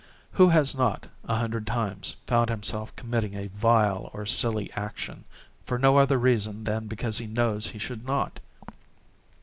Who has not, a hundred times, found himself committing a vile or a silly action, for no other reason than because he knows he should not?